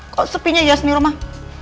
kok sepinya yes di rumah